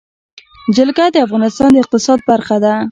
جلګه د افغانستان د اقتصاد برخه ده.